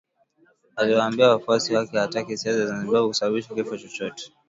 Aliwaambia wafuasi wake hataki siasa za Zimbabwe kusababisha kifo chochote.